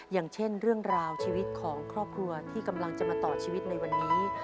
อย่างเช่นเรื่องราวชีวิตของครอบครัวที่กำลังจะมาต่อชีวิตในวันนี้